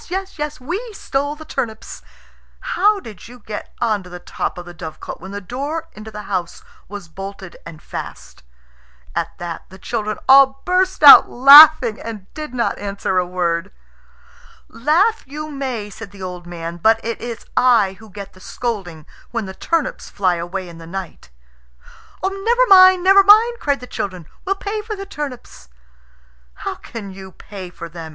yes! yes! We stole the turnips." "How did you get on to the top of the dovecot when the door into the house was bolted and fast?" At that the children all burst out laughing, and did not answer a word. "Laugh you may," said the old man; "but it is I who get the scolding when the turnips fly away in the night." "Never mind! never mind!" cried the children. "We'll pay for the turnips." "How can you pay for them?"